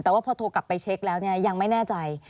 แต่ว่าพอโทรกลับไปเช็คแล้วเนี่ยยังไม่แน่ใจ